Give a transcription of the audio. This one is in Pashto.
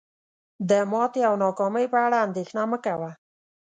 د ماتي او ناکامی په اړه اندیښنه مه کوه